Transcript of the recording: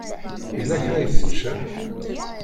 Yella kra i tečča?